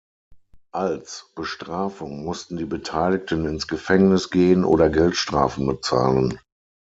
Als Bestrafung mussten die Beteiligten ins Gefängnis gehen oder Geldstrafen bezahlen.